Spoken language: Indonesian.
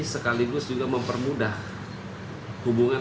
sekaligus juga mempermudah hubungan